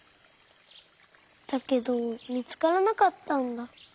だけどみつからなかったんだ。